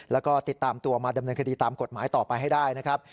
แล้วก็ติดตามตัวมาดำเนินคดีตามกฎหมายต่อไปให้ได้นะครับ